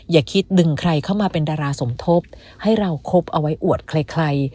อย่าคิดดึงใครเข้ามาเป็นดาราสมทบให้เราคบเอาไว้อวดใคร